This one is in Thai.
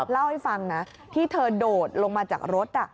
เล่าให้ฟังนะที่เธอโดดลงมาจากรถ